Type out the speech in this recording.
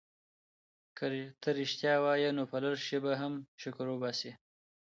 که ته ریښتیا وایې نو په لږ شي به هم شکر وباسې.